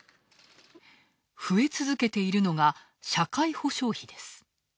増え続けているのが社会保障費です。